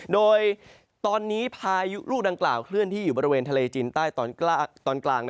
โดยตอนนี้พายุลูกดังกล่าวเคลื่อนที่อยู่บริเวณทะเลจีนใต้ตอนกลาง